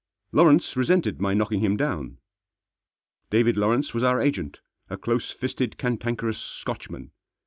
Lawrence resented my knocking him down* David Lawrence was our agent ; a close fisted, cantankerous Scotchman.